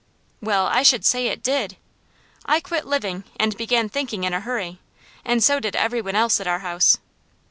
Well, I should say it did! I quit living, and began thinking in a hooray, and so did every one else at our house.